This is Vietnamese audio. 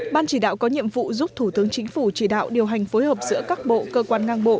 ban chỉ đạo có nhiệm vụ giúp thủ tướng chính phủ chỉ đạo điều hành phối hợp giữa các bộ cơ quan ngang bộ